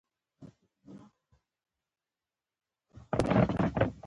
لکه پانوس لکه لمبه لکه محفل د ښکلیو